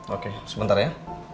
oke sebentar ya